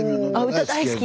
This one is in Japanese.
「歌大好き！」